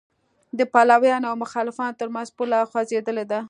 د پلویانو او مخالفانو تر منځ پوله خوځېدلې ده.